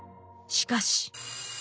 しかし。